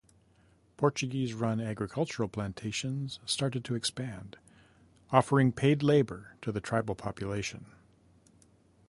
Portuguese-run agricultural plantations started to expand, offering paid labour to the tribal population.